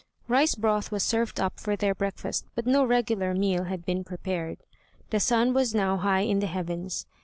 Rice broth was served up for their breakfast, but no regular meal had been prepared. The sun was now high in the heavens.